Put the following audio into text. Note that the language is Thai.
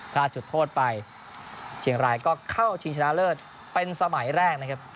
จุดโทษไปเชียงรายก็เข้าชิงชนะเลิศเป็นสมัยแรกนะครับ